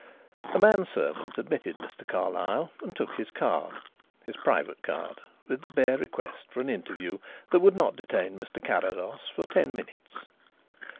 A man servant admitted Mr. Carlyle and took his card his private card, with the bare request for an interview that would not detain Mr. Carrados for ten minutes.